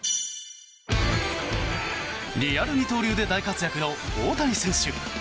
リアル二刀流で大活躍の大谷選手。